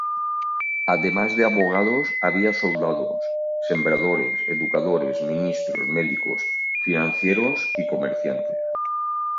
Además de abogados, había soldados, sembradores, educadores, ministros, médicos, financieros, y comerciantes.